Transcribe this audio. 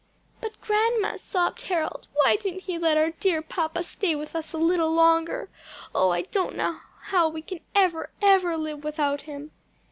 "But, grandma," sobbed Harold, "why didn't He let our dear papa stay with us a little longer? Oh I don't know how we can ever, ever live without him!"